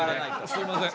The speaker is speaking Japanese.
すいません。